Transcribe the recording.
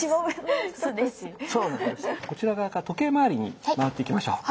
こちら側から時計回りに回っていきましょう。